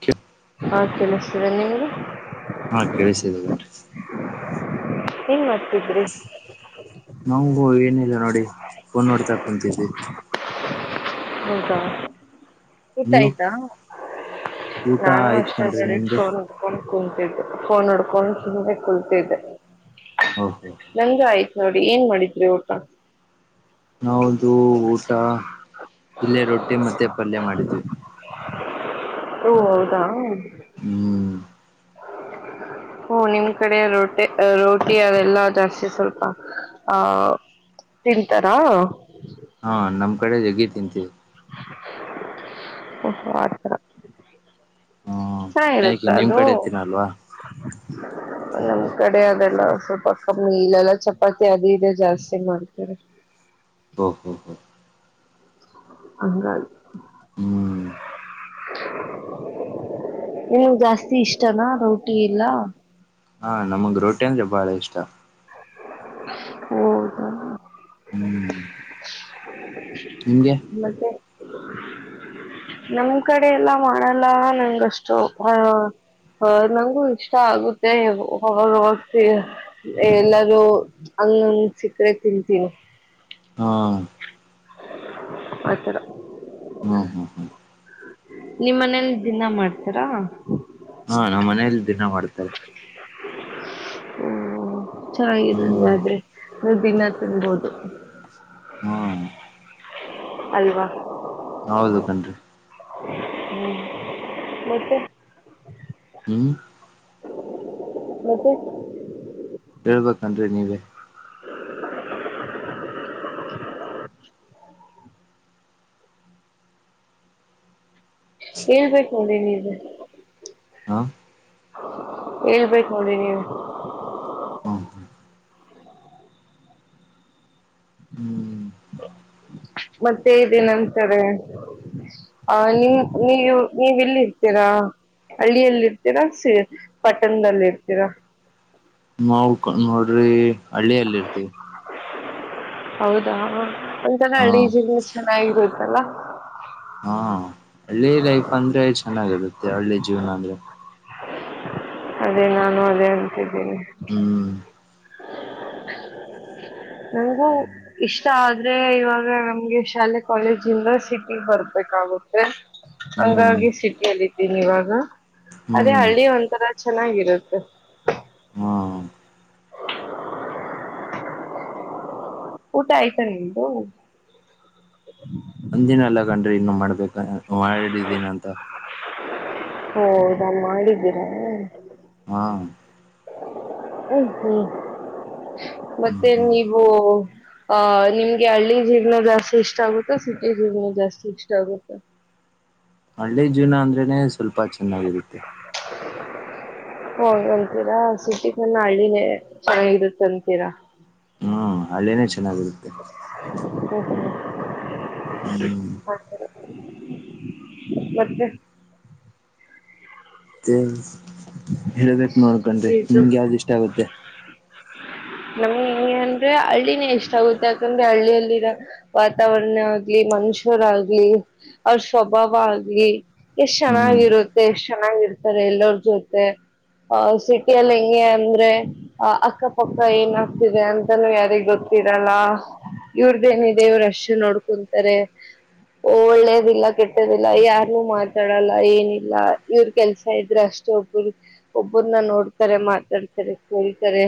ಕ [inaudible] ಹಾ ಕಮಿಸ್ತರ ನಿಂದು ಹಾ ಕೇಳಿಸಿದ್ದೇನ್ರಿ ಏನ್ ಮಾಡ್ತಿದ್ರಿ ನಮಗೂ ಏನಿಲ್ಲ ನೋಡಿ ಫೋನ್ ನೋಡ್ತಾ ಕುಂತಿದ್ವಿ ಹೌದಾ ಊಟ ನೀವು ಆಯ್ತಾ ಊಟ ನಾನು ಆಯ್ತ್ ಅಷ್ಟೇ ಕಣ್ರಿ [unintelligible] ನಿಮ್ದು ಫೋನ್ ನಡ್ಕೊಂಡು ಸುಮ್ಮನೆ ಕುಲ್ತಿದ್ದೆ ಓಹೋ ನಂಗ ಆಯ್ತು ಸರಿ ಏನ್ ಮಾಡಿದ್ರಿ ಊಟ ನಮದು ಊಟ ಇಲ್ಲೇ ರೊಟ್ಟಿ ಮತ್ತೆ ಪಲ್ಯ ಮಾಡಿದ್ವಿ ಓ ಹೌದಾ ಹ್ಮ್ ಓ ನಿಮ್ ಕಡೆ ಹಾ ನಮ್ ಕಡೆ ಜಗ್ಗಿ ತಿಂತೀವಿ ಆತರ ಹ್ಮ ಹಾ ಯಾಕೆ ಇರುತ್ತೆ ನಿಮ್ ಅದು ಕಡೆ ತಿನ್ನಲ್ವಾ ಕಡೆ ಅದೆಲ್ಲ ಸ್ವಲ್ಪ ಕಮ್ಮಿ ಇಲ್ಲ ಎಲ್ಲ ಚಪಾತಿ ಅದು ಇ ಜಾಸ್ತಿ ಮಾಡ್ತಾರೆ ಹ್ಮ ಹ್ಮ್ ಹ್ಮ ಹಂಗಾಗಿ ಹ್ಮ್ ನೀ ಜಾಸ್ತಿ ಇಷ್ಟನಾ ರೋಟಿ ಎಲ್ಲ ಹಾ ನಮಗ್ ರೋಟಿ ಅಂದ್ರೆ ಬಾಳ ಇಷ್ಟ ಹೌದಾ [unintelligible] ಹ್ಮ್ ನಿಮ್ಗೆ ಹ್ಮ [unintelligible] ಮತ್ತೆ ನಮ್ ಕಡೆ ಎಲ್ಲ ಮಾಡಲ್ಲ ನಂಗಷ್ಟು ಅ ಅ ನಂಗು ಇಷ್ಟ ಆಗುತ್ತೆ ಎಲ್ಲರೂ ಹಂಗಂಗ ಸಕ್ಕ್ರೆ ತಿಂತೀನಿ ಹಾ ಆಯ್ತರಾ ಹ್ಮ ಹ್ಮ ಹಾ ನಿಮ್ಮ್ ಮನೇಲಿ ದಿನಾ ಮಾಡ್ತಾರಾ ಹಾ ನಮ್ಮ್ ಮನೆಯಲ್ಲಿ ದಿನ ಮಾಡ್ತಾರೆ ಹ್ಮ್ ಚೆನ್ನಾಗಿ ಹ್ಮ್ ಆದಾದ್ರೆ ನ ದಿನ ತಿನ್ಬೋದು ಹ್ಮ ಅಲ್ವಾ ಹೌದು ಕಂಡ್ರಿ ಹ್ಮ್ ಮತ್ತೆ ಹ್ಮ್ ಮತ್ತೆ ಹೇಳ್ಬೇಕನ್ರಿ ನೀವೇ [unintelligible] ಹಏಳ್ಬೇಕು ನೋಡ್ರಿ ನೀವೇ ಹ ಹೇಳ್ಬೇಕು ನೋಡಿ ನೀವು ಹ್ಮ ಹಾ ಹ್ಮ್ ಮತ್ತೆ ಇದೇನಂತಾರೆ ಆ ನೀ ನೀವು ನೀವುಲ್ಲಿ ಇರ್ತೀರಾ ಹಳ್ಳಿಯಲ್ಲಿರ್ತೀರಾ ಪಟ್ಟಣದಲ್ಲಿ ಇರ್ತೀರಾ ನವು ನೋಡ್ರಿ ಹಳ್ಳಿಯಿಯಲ್ಲಿರ್ತೀವಿ ಹೌದಾ ಒಂತರ ಹಾ ಹಳ್ಳಿ ಜೀವನ ಚೆನ್ನಾಗಿರು ಅಲ್ಲ ಹಾ ಹಳ್ಳಿ ಲೈಫ್ ಅಂದ್ರೆ ಚೆನ್ನಾಗಿರುತ್ತೆ ಹಳ್ಳಿ ಜೀವನ ಅಂದ್ರೆ ಅದೇ ನಾನು ಅದೇ ಅಂತನಿ ಹ್ಮ್ ನಂಗು ಇಷ್ಟ ಆದ್ರೆ ಇವಾಗ ನಮ್ಗೆ ಶಾಲೆ ಕಾಲೇಜಿಂದ ಸಿಟಿ ಬರ್ಬೇಕಾಗುತ್ತೆ ಹ್ಮ್ ಹಂಗಾಗಿ ಸಿಟಿಲ್ಲಿದ್ದೀನಿ ಇವಾಗ ಅದೇ ಹ್ಮ್ ಹಳ್ಳಿ ಒಂಥರ ಚೆನ್ನಾಗಿರುತ್ತೆ ಹಾ ಊಟ ಆಯ್ತಾ ನಿಮ್ದು ಅಂದಿನ ಎಲ್ಲ ಕಂಡ್ರಿ ಇನ್ನು ಮಾಡ್ಬೇಕ ಮಾಡಿಡಿದ್ದೀನಂತ ಓ ಹೌದಾ ಮಾಡಿದ್ದೀರಾ ಹಾ ಹ್ಮ ಹ್ಮ್ ಹ್ಮ್ ಮತ್ತೆ ಹ್ಮ್ ನೀವು ಅಹ ನಿಮ್ಗೆ ಹಳ್ಳಿ ಜೀಗ್ನ ಜಾಸ್ತಿ ಇಷ್ಟ ಆಗುತ್ತೆ ಸಿಟಿ ಜಿಗ್ನ ಜಾಸ್ತಿ ಇಷ್ಟ ಆಗುತ್ತೆ ಹಳ್ಳಿ ಜೀವನ ಅಂದ್ರನೆ ಸ್ವಲ್ಪ ಚೆನ್ನಾಗಿರುತ್ತೆ ಹಂತೀರಾ ಸಿಟಿಗನ್ನ ಹಳ್ಳಿನೇ ಚ ಇರುತ್ತಂತೀರಾ ಹ್ಮ ಹಳ್ಳೇನೇ ಚೆನ್ನಾಗಿರುತ್ತೆ ಹ್ಮ್ ಹ ಸರಿ [inaudible] ಮತ್ತೆ ತಿನ್ ಹೇಳ್ಬೇಕು ನೋಡ್ಕನ್ ಇದು ನಿಮ್ಗೆ ಯಾವ್ದ್ ಇಷ್ಟ ಆಗುತ್ತೆ ನಮ್ಗೆ ಹೆಂಗೆ ಅಂದ್ರೆ ಹಳ್ಳಿನೇ ಎಷ್ಟ ಆಗುತ್ತೆ ಯಾಕಂದ್ರೆ ಹಳ್ಳಿಯಲ್ಲಿರೋ ವಾತಾವರ್ರಣ ಆಗ್ಲಿ ಮನುಷ್ಯರ ಆಗ್ಲಿ ಅವ್ರ ಸ್ವಭಾವ ಆಗ್ಲಿ ಎಷ್ಟ್ ಹ್ಮ್ ಚೆನ್ನಾಗಿರುತ್ತೆ ಎಷ್ಟ್ ಚೆನ್ನಾಗಿರ್ತಾರೆ ಎಲ್ಲರ ಜೊತೆ ಆಹ ಸಿಟಿಯಲ್ಲಿ ಹೆಂಗೆ ಅಂದ್ರೆ ಅ ಅಕ್ಕ ಪಕ್ಕ ಏನ್ ಆಗ್ತಿದೆ ಅಂತಾನೂ ಯಾರಿಗ್ ಗೊತ್ತಿರಲ್ಲ ಇವ್ರದೇಏನಿದೆ ಇವರು ಅಷ್ಟು ನೋಡ್ಕೊಂತಾರೆ ಒಳ್ಳೇದಿಲ್ಲ ಕೆಟ್ಟದಿಲ್ಲ ಯಾರನುೂ ಮಾತಾಡಲ್ಲ ಏನಿಲ್ಲ ಇವ್ರ ಕೆಲ್ಸ ಇದ್ರೆ ಅಷ್ಟ ಒಬ್ಬರು ಒಬ್ಬ್ರನ್ನ ನೋಡ್ತಾರೆ ಮಾತಾಡ್ತಾರೆ ಕೇಳ್ತಾರೆ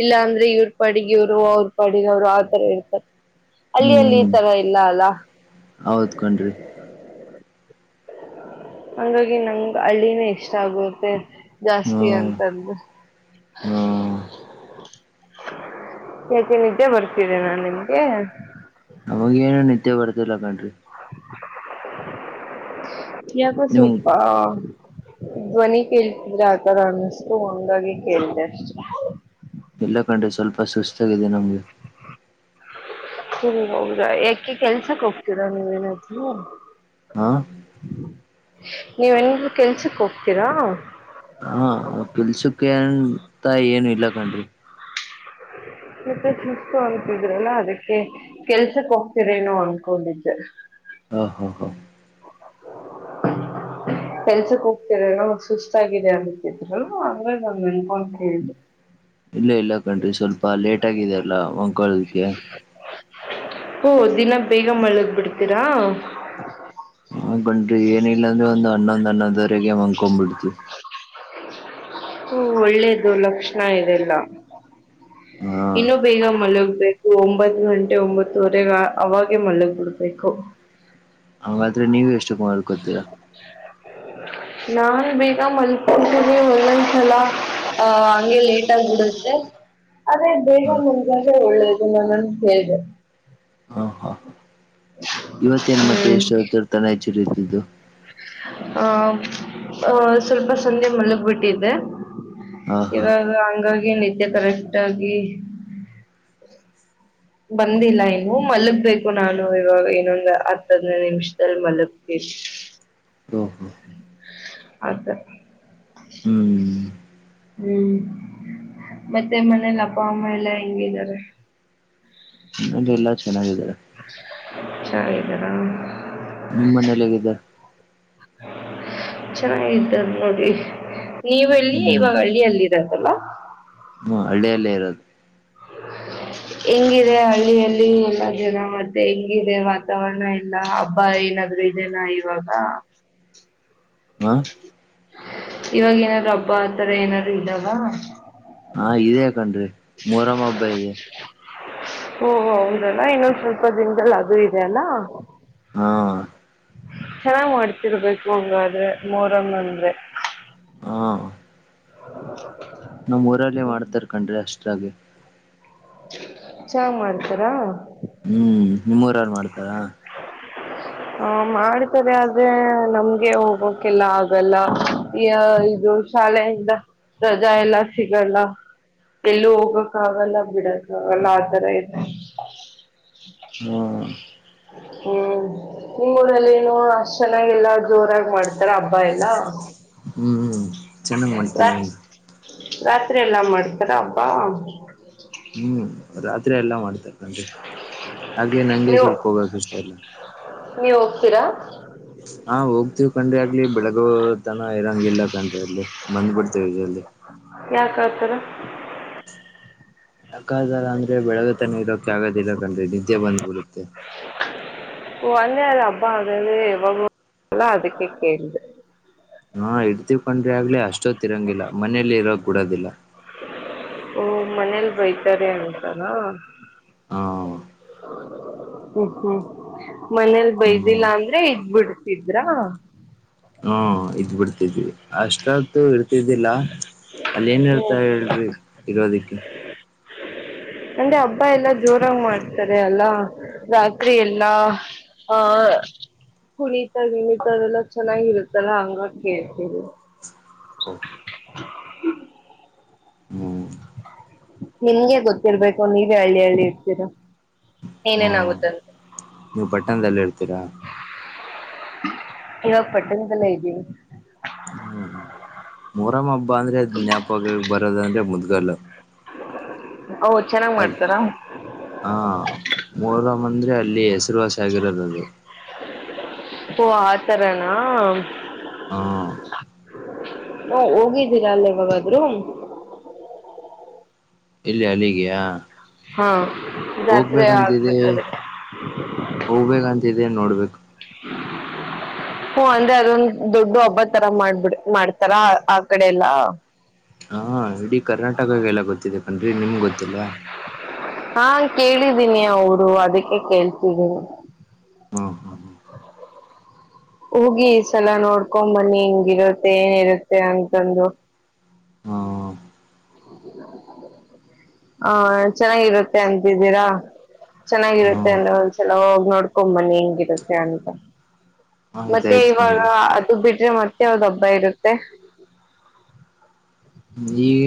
ಇಲ್ಲ ಅಂದ್ರೆ ಇವ್ರ ಪಾಡಿಗೆಯವರು ಅವ್ರ ಪಾಡಿಗೆವರು ಆತರ ಇರ್ತಾರೆ ಅಲ್ಲಿ ಅಲ್ಲಿ ಈ ತರ ಇಲ್ಲ ಅಲ್ಲ ಹೌದಕೊಂಡ್ರಿ ಹಂಗಾಗಿ ನಂಗ ಹಳ್ಳಿನೇ ಇಷ್ಟ ಆಗುತ್ತೆ ಜಾಸ್ತಿ ಹ್ಮ ಅಂತಂದ ಹಾ ಯಾಕೆ ನಿದ್ದೆ ಬರ್ತಿದೆ ನಾ ನಿಮ್ಗೆ ಅವಾಗ ಏನು ನಿತ್ಯ ಬರ್ತಲ್ಲ ಕಣ್ರಿ [inaudible] ಯಾಗ ನಿಮ್ಗ್ ಸ್ವಲ್ಪ ಧ್ವನಿ ಕೇಳ್ತಿದ್ರೆ ಆತರ ಅನ್ನಷ್ಟು ಹಂಗಾಗಿ ಕೇಳಿದೆ ಅಷ್ಟೆ ಇಲ್ಲ ಕಂಡ್ರೆ ಸ್ವಲ್ಪ ಸುಸ್ತಾಗಿದೆ ನಮ್ಗೆ ಹ್ಮ ಹೌದಾ ಯಾಕೆ ಕೆಲ್ಸಕ್ ಹೋಗ್ತೀರಾ ನೀವೇನಾದ್ರೂ ಆ ನೀವೆನ ಕೆಲ್ಸಕ್ ಹೋಗ್ತೀರಾ [unintelligible] ತಾಯ ಇಲ್ಲ ಕಣ್ರಿ ಮಪ ಶುಸ್ತು ಅಂತಿದ್ರಲ್ಲ ಅದಕ್ಕೆ ಕೆಲ್ಸಕ್ ಹೋಗ್ತರೇನೋ ಅನ್ಕೊಂಡಿದ್ದೆ ಹ ಹಾ ಹಾ ಕೆಲ್ಸಕ್ ಹೋಗ್ತರ ಸುಸ್ತಿದೆ ಅನ್ತಿದರು ಆದ್ರೆ ನಾನ್ ಅನ್ಕೊಂಡ ಕೇಳಿದೆ ಇಲ್ಲ ಇಲ್ಲ ಕನ್ಿ ಸ್ವಲ್ಪ ಲೇಟ್ ಆಗಿದೆಲ್ಲ ಮಂಕೊಳ್ಳೋದಕ್ಕೆ [unintelligible] ಓ ದಿನ ಬೇಗ ಮಳಗ್ ಬಿಡ್ತೀರಾ ಹಕೊಂಡ್ರಿ ಏನಿಲ್ಲಾ ಅಂದ್ರೆ ಒಂದು ಹನ್ನೊಂದ್ ಹನ್ನೊಂದವರೆಗೆ ಮ್ಕೊ್ಬಿಡ್ತಿವಿ ಹ್ಮ ಒಳ್ಳೇದು ಲಕ್ಷಣ ಇದೆಲ್ಲ ಹಾ ಇನ್ನುೂ ಬೇಗ ಮಲ ಬು ಒಂಬತ್ ಗಂಟೆ ಒಂಬತ್ತುವರೆಗೆ ಅವಾಗೆ ಮಳ್ಳಗ್ ಬಿಡ್ಬೇಕು ಹಾಗಂಗಾದ್ರೆ ನೀವ ಎಷ್ಟಕ್ಕ ಮಾಡಕೊತೀರಾ ನಾನ್ ಬೇಗ ಮಪೆ ಒಂದೊಂದ್ಸಲ ಅಹ ಹಂಗೆ ಲೇಟ್ ಆಗ್ಬಿಡುತ್ತೆ ಆದೇ ಬೇಗ ಹ ಮುಂಾಗೆ ಒಳ್ಳೇದು ನಾನನ್ ಕೇಳಿದೆ ಇವತ್ತ ಏನ್ ಮತ್ತೆ ಎಷ್ಟರ್ ತಾನ ಹೆಚ್ಚಿ ಇದು ಆಹ ಅಹ ಸ್ವಲ್ಪ ಸಂಧೆ ಮಲಗ್ಬಿಟ್ಟಿದ್ದೆ ಹಾ ಯ ಹಾ ಹಂಗ. ನಜೆ ಕರೆಕ್ಟ್ ಆಗಿ ಬಂದಿಲ್ಲ ಇನ್ನು ಮಲಗ್ಬೇಕು ನಾನು ಇವಾಗ ಇನ್ನೊಂದ್ ಹತ್ತದನೇ ನಿಮಿಷದಲ್ಲಿ ಮಲಗ್ತೀನಿ ಓಹೋ ಆತ ಹ್ಮ್ ಹ್ಮ್ ಮತ್ತೆ ಮನೇಲಿ ಅಪ್ಪ ಅಮ್ಮ ಎಲ್ಲಾ ಹೆಂಗಿದ್ದಾರೆ ಎಲ್ಲ ಚೆನ್ನಾಗಿದಿದ್ದಾರೆ ಚಳಿ ಗರಾಮ ನಿಮ ಮನಲ್ಲ ಹಗಿದ್ದ ಚೆನ್ನಾಗಿದ್ದ ನೋಡಿ ನೀವೆ ಎಲ್ಲಿಯ ಹ್ಮ್ ಇವಾಗ ಹಳ್ಳಿಯಲ್ಲಿರದಲ್ಲ ಹ್ಮ ಹಳ್ಳಿಯಲ್ಲೇ ಇರೋದು ಹೆಂಗಿದೆ ಹಳ್ಳಿಯಲ್ಲಿ ಎಲ್ಲ ಜನ ಮತ್ತೆ ಹೆಂಗಿದೆ ವಾತಾವರಣ ಎಲ್ಲ ಹಬ್ಬ ಏನಾದ್ರು ಇದೆನಾ ಇವಾಗ ಹಾ ಇವಾಗ ಏನಾದ್ರು ಹಬ್ಬ ಆತರ ಏನಾದ್ರು ಇದಾವ ಹಾ ಇದೇ ಹಕನ್್ರಿ ಮರಮ್ಮ ಹಬ್ಬ ಇದೆ ಓ ಹೌದಣ ಇನ್ನೊಂದು ಸ್ವಲ್ಪ ದಿನದಲ್ಲಿ ಅದು ಇದೆ ಅಲ್ಲಾ ಹಾ ಚೆನ್ನಾಗ್ ಮಾಡ್ತಿರ್ಬೇಕು ಹಂಗಾದ್ರೆ ಮೋರಮ ಅಂದ್ರೆ ಹಾ [unintelligible] ನಮ್ ಊರಲ್ಲೇ ಮಾಡ್ತಾರ ಕನ್್ರಿ ಅಷ್ಟೇ [inaudible] ಜೆ ಚಾ ಮಾಡ್ತಾರಾ ಹ್ಮ್ ನಿಮ್ಮೂರ ಯಾರು ಮಾಡ್ತಾರ ಹ ಮಾಡ್ತಾರೆ ಆದ್ರೆ ನಮ್ಗೆ ಹೋಗಕ್ಕೆೆಲ್ಲ ಆಗಲ್ಲ ಈ ಇದು ಶಾಲೆಯಿಂದ ರಜಾ ಎಲ್ಲ ಸಿಗಲ್ಲ ಎಲ್ಲೂ ಹೋಗಕ್ ಆಗಲ್ಲ ಬಿಡಕ್ ಆಗಲ್ಲ ಆತರ ಇದೆ ಹ್ಮ ಹ್ಮ ಹ್ಮ್ ನಿಮ್ ೂಡಲ್ಲಿಏನು ಅಷ್ಟ್ ಚೆನ್ನಾಗೆಲ್ಲ ಜೋರಾಗಿ ಮಾಡ್ತಾರ ಹಬ್ಬಾ ಎಲ್ಲಾ ಹ್ಮ್್ಮ ಚೆನ್ನಾಗ್ ಮಾಡ್ತವಿ [unintelligible] ರಾತ್ರಿ ಎಲ್ಲಾ ಮಾಡ್ತಾರ ಅಬ್ಬಾ ಹ್ಮ್ ರಾತ್ರಿ ಎಲ್ಲ ಮಾಡ್ತಾರೆ ಕಂಡ್ರೆ ಆಗ್ಲಿ ನಂಗೆ ನೀವು ಸ್ವಲ್ಪ ಹೋಗಕ್ ಇಷ್ಟ ಇಲ್ಲ ನೀವು ಹೋಗ್ತೀರಾ ಹಾ ಹೋಗ್ತೇವ ಕಂಡ್ರೆ ಆಗ್ಲಿ ಬೆಳಗ ತನ ಇರಂಗ ಇಲ್ಲ ಕಣ್ರೆ ಅಲ್ಲಿ ಬಂದ್ ಬಂದ್ಬಿಡ್ತೀವಿ ಜಲ್ದಿ ಯಾಕ ಆತಾರ ಯಾಕದಲ್ಲ ಅಂದ್ರೆ ಬೆಳಗ್ತನ ಇರೋಕೆ ಆಗದ ಇಲ್ಲಾಕಂಡ್ರೆ ನಿದ್ದೆ ಬಂದಬ ಬಿಡೆ ತ್ತ [inaudible] [inaudible] ಒಂದ ಅ ಅಬಾ ಅಗಲ್ಲ ಅದಕ್ಕೆ ಕೇಳೇಳಿದೆ ಹಾ ಇಡ್ತಿವ್ಕೊಂಡ್ರಿ ಆಗ್ಲೇ ಅಷ್ಟೊ ತಿರಂಗಿಲ್ಲ ಮನೇಲಿ ಇರೋ ಗುಡೋದಿಲ್ಲ ಓ ಮನೇಲಿ ಬೈತಾರೆ ಅಂತ ನಾ ಹಾ ಹ್ಮ್ ಹ್ಮ್ ಮನೇಲ್ ಬೈದಿಲ್ಲ ಹ್ಮ್ ಅಂದ್ರೆ ಇದಬಿಡ್ ಇದಿದ್ರಾ ಅಷ್ಟತ್ತುೂ ಇಡ್ತಿದ್ದಿಲ್ಲ ಅಲ್ಲ ಏನ್ ಹೇಳ್ತಾ ಹ್ಮ್ ಹೇಳ್ರಿ ಇರೋದಿಕ್ಕೆ ಅಂದ್ರೆ ಹಬ್ಬ ಎಲ್ಲಾ ಜೋರಾಗಿ ಮಾಡ್ತಾರೆ ಅಲ್ಲಾ ರಾತ್ರಿ ಎಲ್ಲಾ ಆ ಕುಣಿತ ವಣಿತದೆಲ್ಲ ಚೆನ್ನಾಗಿರುತ್ತಲ್ಲ ಹಂಗ ಕೇಳ್ತರಿ ಹ್ಮ್ ನಿಂಗೆ ಗೊತ್ತಿರ್ಬೇಕು ನೀವೇ ಹಳ್ಳಿ ಹಳ್ಳಿ ಇರ್ತೀರಾ ಹ್ಮ್ ಏನೇನಾಗುತ್ತಂತ ನೀವು ಪಟ್ಟಣದಲ್ಲಿ ಇರ್ತೀರಾ ಇವಾಗ ಪಟ್ಟಣದೆಲ್ಲ ಇದೀವಿ ಮರಾಮ [inaudible] ಅಂದ್ರೆ ಜ್ಞಾಪಕ ಬರೋದಂದ್ರೆೆ ಗಲ್ಲ ಓ ಚೆನ್ನಾಗ್ ಮಾಡ್ತಾರಾ ಹಾ ಮೊರಂ ಅಂದ್ರೆ ಅಲ್ಲಿಸ ಚರುವಾಸ ಆಗಿರೋದು ಪ್ಪ ಆತರನ [inaudible] ಹಾ ಹಾ ಹೋಗಿದ್ದೀರಾ ಅಲ್ಲ ಇವಾಗಾದ್ರೂ ಇಲ್ಲಯ ಅಲ್ಲಿಗೆಯಾ ಹಾ ಜಾತ್ರೆ ಹೋಗ್ಬೇಕಂತಿದೆ ಆಗ್ಬೇಕಾದ್ರೆ ಹೋಗ್ಬೇಕಂತಿದೆ ನೋಡ್ಬೇಕು ಹಓ ಅಂದ್ರೆ ಅದೊಂದ ದೊಡ್ಡ ಹಬ್ಬ ತರ ಮಾಡ್ಬಿಡ್ ಮಾಡ್ತಾರ ಆ ಕಡೆ ಎಲ್ಲಾ ಹಾ ಇಡೀ ಕರ್ನಾಟಕಾಗಲ್ಲ ಗೊತ್ತಿದೆ ಕಣ್ರಿ ನಿಮ್ ಗೊತ್ತಿಲವ ಹಾ ಕೇಳಿದೀನಿ ಅವರು ಅದಕ್ಕೆ ಕೇಳ್ತಿದೀನಿ ಹ್ಮ ಹಾ ಹಾ ಹೋಗಿ ಈ ಸಲ ನೋಡ್ಕೊಂಬನ್ನಿ ಹಿಂಗಿರುತ್ತೆ ಏನಿರುತ್ತೆ ಅಂತಂದು ಹಾ ಹ ಚೆನ್ನಾಗಿರುತ್ತೆ ಅಂತಿದ್ದೀರಾ ಹಾ ಹಾ ಚೆನ್ನಾಗಿರುತ್ತೆ ಅಂದ್ರೆ ಒಂದ್ಸಲ ಹೋಗ ನೋಡ್ಕೊಬನ್ನಿ ಹೆಂಗಿರುತ್ತೆ ಅಂತ ಮತ್ತೆ ಆಯ್ತಾಯ್ತು ಇವಾಗ ಕಣ್ರಿ ಅದು ಬಿಟ್ರೆ ಮ ಯಾವ್ದ ಹಬ್ಬ ಇರುತ್ತೆ ಈಗ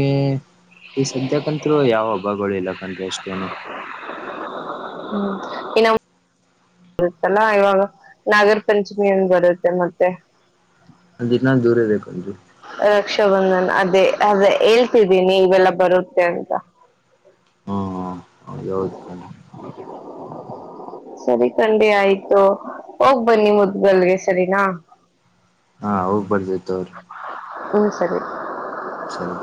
ಈ ಸದ್ಯಕಂತ್ರು ಯಾವ ಹಬ್ಬಗಳು ಇಲ್ಲ ಕಂಡ್ರಿ ಅಷ್ಟೇನು ಹ್ಮ್ ಇನ್ನು ಬರುತ್ತಲ್ಲಾ ಇವಾಗ ನಾಗರ ಪಂಚಮಿಯಂದ ಬರುತ್ತೆ ಮತ್ತೆ ಅಂದ್ ಇ ನಂದ ದೂರ ಇೇೇಕು ಪಜ ಇಷ್ಟ ಬಂದ್ ನಾನು ಅದೇ ಅದ ಹೇಳ್ತಿದ್ದೀನಿ ಇವೆಲ್ಲ ಬರುತ್ತೆ ಅಂತ ಹ್ಮ ಹಾ ಹೌದು ಯೌದು ತ ಸರಿ ಖಂಡಿ ಆಯ್ತು ಹೋಗ್ ಬನ್ನಿ ಮುದ್ಗಲ್ಗೆ ಸರಿನಾ ಹಾ ಹೋಗ್ಬಾರ್ದೈತ ಅವ್ರಿ. ಹ್ಮ್ ಸರಿ. ಸರಿ.